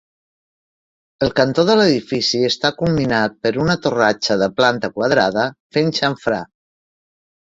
El cantó de l'edifici està culminat per una torratxa de planta quadrada fent xamfrà.